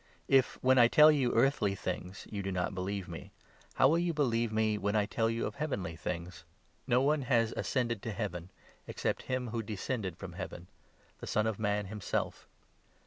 If, when I tell you earthly things, 12 you do not believe me, how will you believe me when I tell you of heavenly things? No one has ascended to Heaven, except 13 him who descended from Heaven — the Son of Man himself.